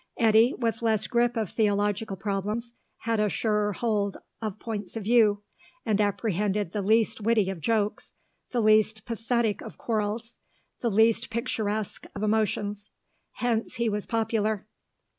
Eddy, with less grip of theological problems, had a surer hold of points of view, and apprehended the least witty of jokes, the least pathetic of quarrels, the least picturesque of emotions. Hence he was popular.